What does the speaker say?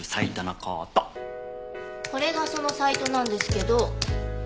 これがそのサイトなんですけど。